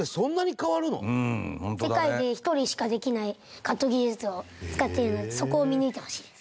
世界で１人しかできないカット技術を使っているのでそこを見抜いてほしいです。